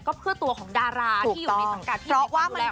ก็เพื่อตัวของดาราที่อยู่ในสังการที่มีความดูแลของเขาเนี่ยแหละ